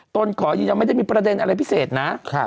ตนขอยืนยันไม่ได้มีประเด็นอะไรพิเศษนะ